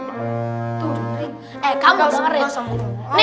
eh kamu bang red